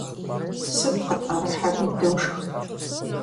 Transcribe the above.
Сыт къытӀэрыхьэми дошх!